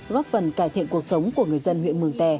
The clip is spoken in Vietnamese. góp phần cải thiện cuộc sống của người dân huyện mường tè